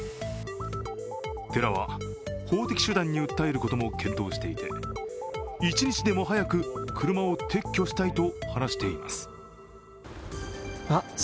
寺は、法的手段に訴えることも検討していて、一日でも早く車を撤去したいと話しています。